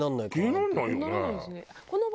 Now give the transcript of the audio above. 気にならないよね。